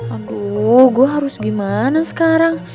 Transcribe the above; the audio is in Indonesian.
aduh gue harus gimana sekarang